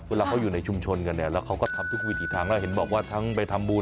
เวลาเขาอยู่ในชุมชนกันเนี่ยแล้วเขาก็ทำทุกวิถีทางแล้วเห็นบอกว่าทั้งไปทำบุญ